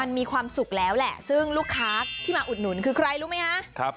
มันมีความสุขแล้วแหละซึ่งลูกค้าที่มาอุดหนุนคือใครรู้ไหมคะ